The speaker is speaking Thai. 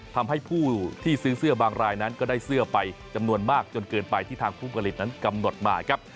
ทำให้ผู้ที่ซื้อเสื้อบางรายนั้นก็ได้เสื้อไปจำนวนมากจนเกินไปที่ทางผู้ผลิตนั้นกำหนดมาครับ